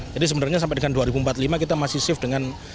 jadi sebenarnya sampai dengan dua ribu empat puluh lima kita masih safe dengan